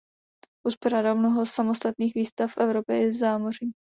Uspořádal mnoho samostatných výstav v Evropě i zámoří.